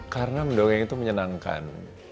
karena mendongeng itu menyenangkan